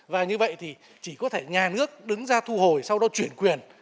và như vậy thì chỉ có thể nhà nước đứng ra thu hồi sau đó chuyển quyền